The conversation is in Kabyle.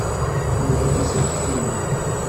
Yuba d aselmad-inu.